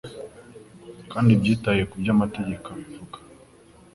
kandi byitaye ku byo amategeko abivuga